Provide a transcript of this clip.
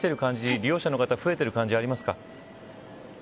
利用者の方が増えてきている感じはありますか。